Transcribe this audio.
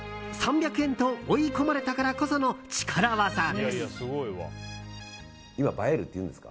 ３００円と追い込まれたからこその力技です。